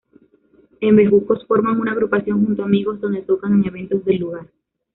En Bejucos forma una agrupación junto amigos donde tocan en eventos del lugar.